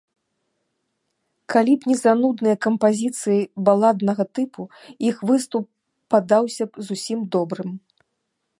Калі б не занудныя кампазіцыі баладнага тыпу, іх выступ падаўся б зусім добрым.